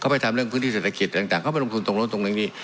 ไปทำเรื่องพื้นที่เศรษฐกิจต่างเข้าไปลงทุนตรงนู้นตรงนี้